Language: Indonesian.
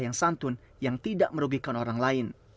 yang santun yang tidak merugikan orang lain